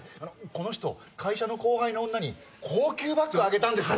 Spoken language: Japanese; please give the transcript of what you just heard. この人会社の後輩の女に高級バッグあげたんですよ